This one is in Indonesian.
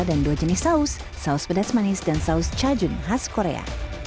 dan dua jenis saus saus pedas manis dan saus cajun khas korea